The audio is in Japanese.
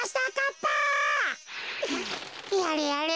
やれやれ。